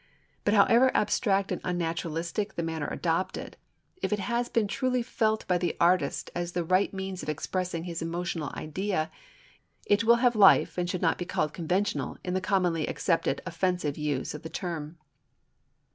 But however abstract and unnaturalistic the manner adopted, if it has been truly felt by the artist as the right means of expressing his emotional idea, it will have life and should not be called conventional in the commonly accepted offensive use of the term.